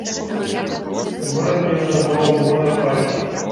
Горад ён назваў у гонар бацькі.